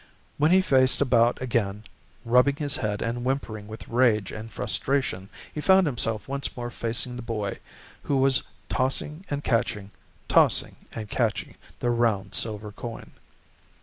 When he faced about again, rubbing his head and whimpering with rage and frustration, he found himself once more facing the boy who was tossing and catching, tossing and catching, the round silver coin.